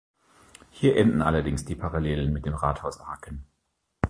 Hier enden allerdings die Parallelen mit dem Rathaus Aken.